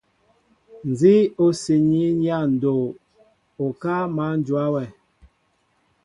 Nzi o siini ya ndoo, okáá ma njóa wɛ.